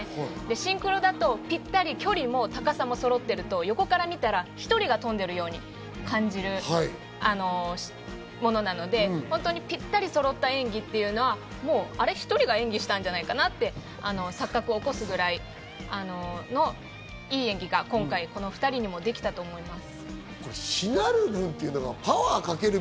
シンクロだとぴったり距離も高さもそろってると、横から見たら１人が飛んでるように感じるものなのでぴったりそろった演技というのは、あれ、１人が演技したんじゃないかな？って錯覚を起こすぐらいの良い演技が今回この２人にもできたと思います。